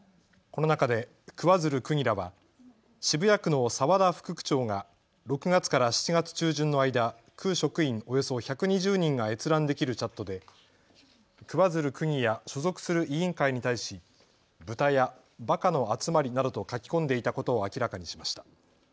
この中で桑水流区議らは、渋谷区の澤田伸副区長が６月から７月中旬の間、区職員およそ１２０人が閲覧できるチャットで桑水流区議や所属する委員会に対しブタやバカの集まりなどと書き込んでいたことを明らかにしました。